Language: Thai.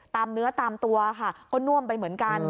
ตามเนื้อตามตัวค่ะก็น่วมไปเหมือนกัน